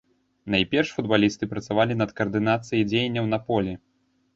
Найперш футбалісты працавалі над каардынацыяй дзеянняў на полі.